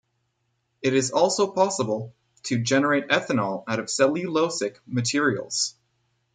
It is also possible to generate ethanol out of cellulosic materials.